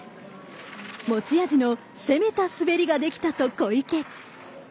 持ち味の攻めた滑りができたと小池。